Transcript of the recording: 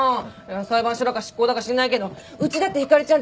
裁判所だか執行だか知んないけどうちだってひかりちゃん